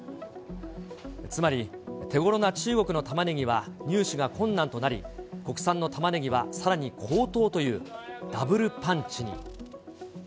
つまり、手ごろな中国のタマネギは入手が困難となり、国産のタマネギはさらに高騰という、ダブルパンチに。